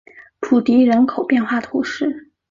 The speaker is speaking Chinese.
普迪人口变化图示